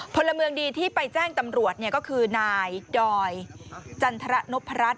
พลเมืองดีที่ไปแจ้งตำรวจก็คือนายดอยจันทรนพรัช